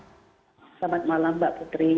selamat malam mbak putri